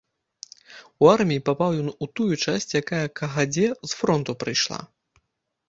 У арміі папаў ён у тую часць, якая кагадзе з фронту прыйшла.